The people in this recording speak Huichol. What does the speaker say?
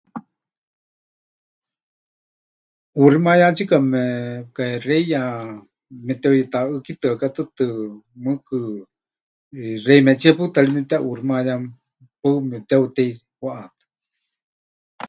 ʼUuximayátsika mepɨkahexeiya, meteʼuyutaʼɨ́kitɨaka tɨtɨ mɨɨkɨ, eh, xeimetsíe pɨta ri mepɨteʼuuximayá, paɨ mepɨteutei waʼaátɨ.